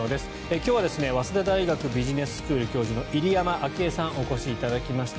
今日は早稲田大学ビジネススクール教授の入山章栄さんにお越しいただきました。